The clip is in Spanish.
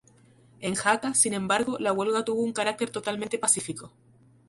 En Jaca, sin embargo, la huelga tuvo un carácter totalmente pacífico.